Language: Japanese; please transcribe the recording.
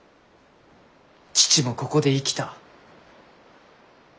父もここで生きた。